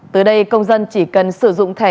từ đây công dân chỉ cần sử dụng thẻ